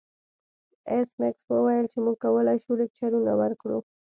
ایس میکس وویل چې موږ کولی شو لکچرونه ورکړو